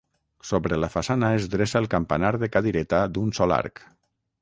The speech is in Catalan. Sobre la façana es dreça el campanar de cadireta d'un sol arc.